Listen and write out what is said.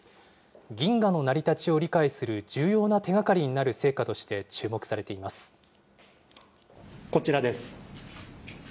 銀河の成り立ちを理解する重要な手がかりになる成果として注目さこちらです。